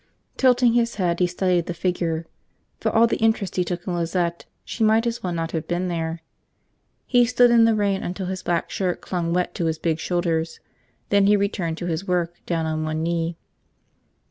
Tilting his head, he studied the figure. For all the interest he took in Lizette, she might as well not have been there. He stood in the rain until his black shirt clung wet to his big shoulders. Then he returned to his work, down on one knee.